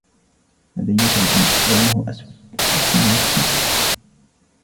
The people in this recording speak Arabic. لدي كلب لونه أسود واسمه تيكي.